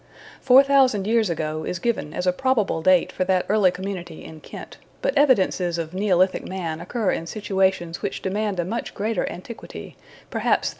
Four thousand years ago is given as a probable date for that early community in Kent, but evidences of Neolithic man occur in situations which demand a much greater antiquity perhaps 30,000 years.